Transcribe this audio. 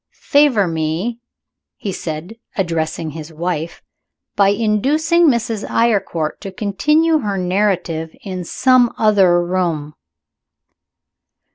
"Favor me," he said, addressing his wife, "by inducing Mrs. Eyrecourt to continue her narrative in some other room."